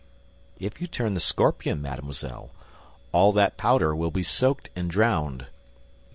If you turn the scorpion, mademoiselle, all that powder will be soaked and drowned.